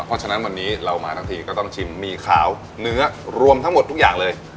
เพราะฉะนั้นวันนี้เรามาทั้งทีก็ต้องชิมหมี่ขาวเนื้อรวมทั้งหมดทุกอย่างเลย